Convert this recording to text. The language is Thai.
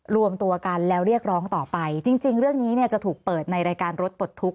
รวมตัวกันแล้วเรียกร้องต่อไปจริงเรื่องนี้เนี่ยจะถูกเปิดในรายการรถปลดทุกข